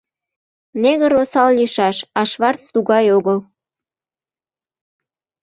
Негр осал лийшаш, а Шварц тугай огыл.